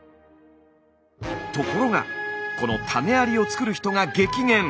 ところがこの種ありを作る人が激減。